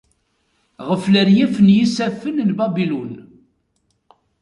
Ɣef leryaf n yisaffen n Babilun.